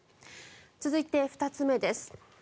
続いて２つ目です。